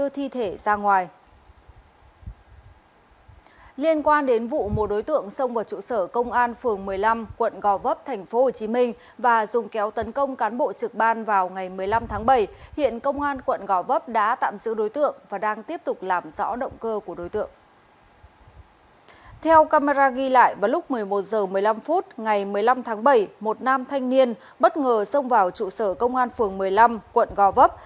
theo camera ghi lại vào lúc một mươi một h một mươi năm ngày một mươi năm tháng bảy một nam thanh niên bất ngờ xông vào trụ sở công an phường một mươi năm quận gò vấp